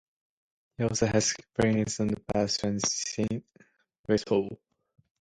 He also has experience on the bass, and tin whistle.